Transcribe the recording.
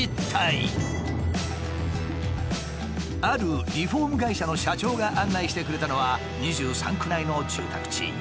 あるリフォーム会社の社長が案内してくれたのは２３区内の住宅地。